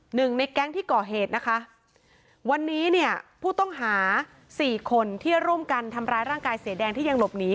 หนึ่งในแก๊งที่ก่อเหตุนะคะวันนี้เนี่ยผู้ต้องหาสี่คนที่ร่วมกันทำร้ายร่างกายเสียแดงที่ยังหลบหนี